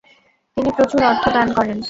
তিনি প্রচুর অর্থ দান করেন।